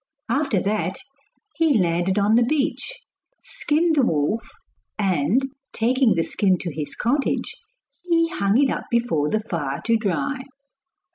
After that he landed on the beach, skinned the wolf, and taking the skin to his cottage, he hung it up before the fire to dry.